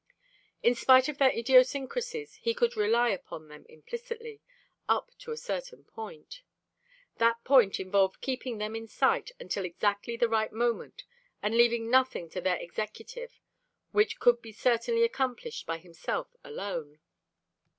In spite of their idiosyncrasies he could rely upon them implicitly up to a certain point. That point involved keeping them in sight until exactly the right moment and leaving nothing to their executive which could be certainly accomplished by himself alone.